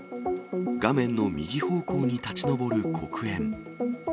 画面の右方向に立ち上る黒煙。